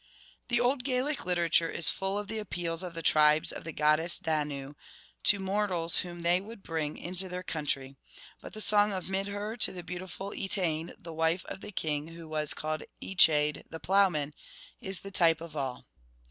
The old Gaelic literature is full of the ap 84 peals of the Tribes of the goddess Danu to mortals whom they would bring into their country; but the song of Midher to the beau tiful Etain, the wife of the king who was called Echaid the ploughman, is the type of all.